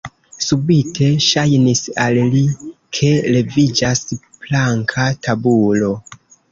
Subite ŝajnis al li, ke leviĝas planka tabulo.